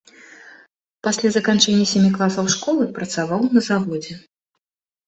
Пасля заканчэння сямі класаў школы працаваў на заводзе.